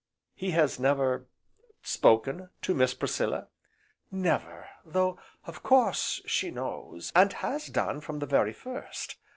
"Has he never spoken to Miss Priscilla, ?" "Never, though, of course, she knows, and has done from the very first.